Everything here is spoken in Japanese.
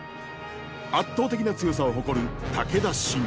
圧倒的な強さを誇る武田信玄。